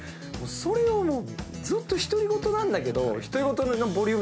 それをずっと独り言なんだけど。